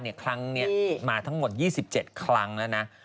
ไว้มาทั้งหมดที่สิบเจ็ดครั้งและนะ